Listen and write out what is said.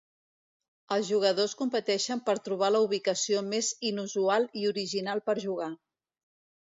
Els jugadors competeixen per trobar la ubicació més inusual i original per jugar.